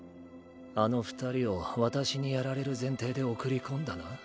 あの二人を私にやられる前提で送り込んだな？